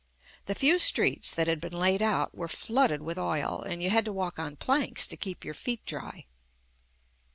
The few streets that had been laid out were flooded with oil, and you had to walk on planks to keep your feet dry.